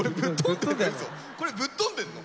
これぶっ飛んでんの？